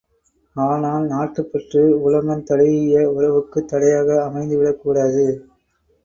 ஆனால் நாட்டுப் பற்று உலகந்தழீஇய உறவுக்குத் தடையாக அமைந்து விடக் கூடாது.